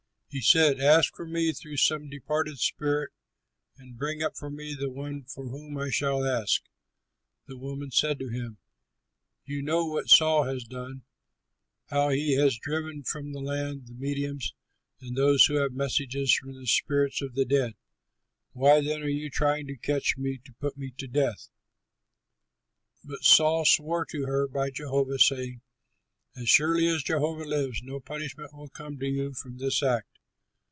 He said, "Ask for me through some departed spirit and bring up for me the one for whom I shall ask." The woman said to him, "You know what Saul has done, how he has driven from the land the mediums and those who have messages from the spirits of the dead. Why then are you trying to catch me, to put me to death?" But Saul swore to her by Jehovah, saying, "As surely as Jehovah lives, no punishment will come to you from this act."